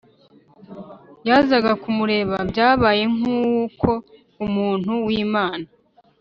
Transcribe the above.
yazaga kumureba . Byabaye nk’ uko umuntu w’Imana